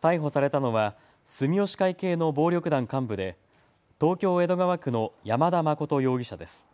逮捕されたのは住吉会系の暴力団幹部で東京江戸川区の山田誠容疑者です。